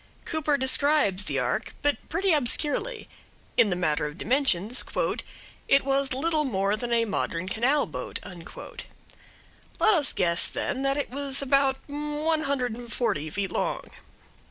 Cooper describes the ark, but pretty obscurely. In the matter of dimensions "it was little more than a modern canal boat." Let us guess, then, that it was about one hundred and forty feet long.